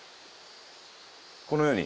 このように？